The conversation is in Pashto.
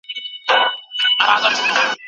د خوب ساعتونه او کیفیت د رمضان په میاشت اغېزمن کېږي.